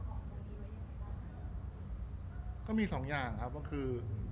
รูปนั้นผมก็เป็นคนถ่ายเองเคลียร์กับเรา